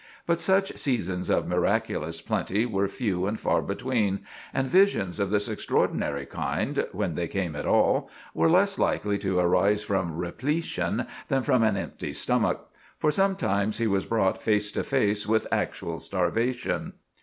But such seasons of miraculous plenty were few and far between, and visions of this extraordinary kind, when they came at all, were less likely to arise from repletion than from an empty stomach; for sometimes he was brought face to face with actual starvation.